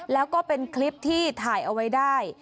แล้วก็เป็นคลิปที่ถ่ายเอาไว้ได้